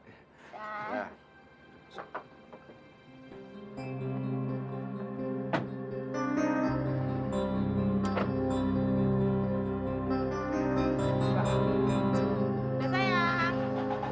udah sampe telfon ya